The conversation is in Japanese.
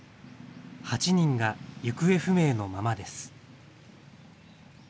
８人が行方不明のままです。